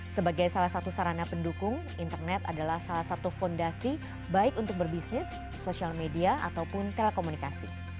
sebagai salah satu sarana pendukung internet adalah salah satu fondasi baik untuk berbisnis sosial media ataupun telekomunikasi